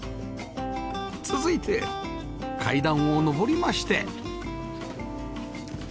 続いて階段を上りまして